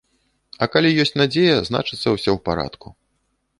А калі ёсць надзея, значыцца, усё ў парадку.